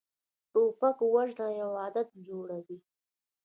توپک وژنه یو عادت جوړوي.